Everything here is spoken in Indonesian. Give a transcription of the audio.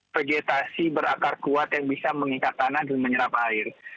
vegetasi berakar kuat yang bisa mengikat tanah dan menyerap air